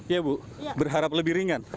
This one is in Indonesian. ya bu berharap lebih ringan